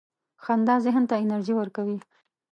• خندا ذهن ته انرژي ورکوي.